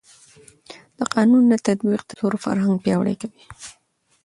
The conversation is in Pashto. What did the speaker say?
د قانون نه تطبیق د زور فرهنګ پیاوړی کوي